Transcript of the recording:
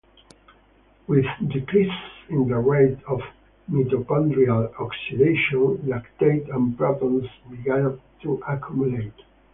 With decreases in the rate of mitochondrial oxidation, lactate and protons begin to accumulate.